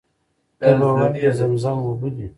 ته به وایې د زمزم اوبه دي.